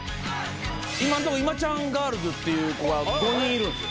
今んとこ今ちゃんガールズっていう子が５人いるんすよ。